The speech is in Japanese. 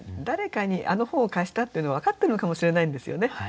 誰かにあの本を貸したっていうのを分かってるのかもしれないんですよね。